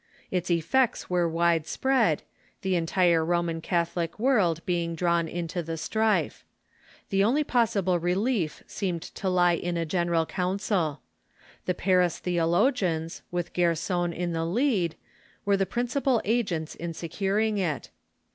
Its effects were widespread, the entire Roman Catholic world being drawn into the strife. The only possi ble relief seemed to lie in a general council. The Paris theo logians, with Gerson in the lead, were tlie principal agents in securing it.